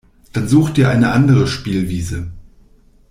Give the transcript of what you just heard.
Dann such dir eine andere Spielwiese.